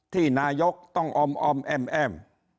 ที่นายกต้องออมแอ้ม